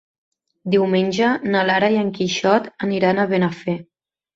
Diumenge na Lara i en Quixot aniran a Benafer.